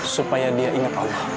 supaya dia ingat allah